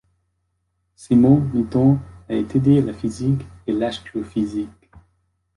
Simon Mitton a étudié la physique et l'astrophysique.